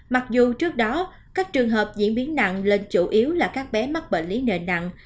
mặc dù trước đó các trường hợp diễn biến nặng lên chủ yếu là các bé mắc bệnh lý nền nặng